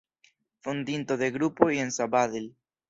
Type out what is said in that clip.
Fondinto de grupoj en Sabadell.